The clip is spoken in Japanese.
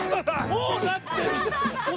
もうなってる！